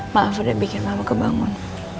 maaf udah bikin mama kebangun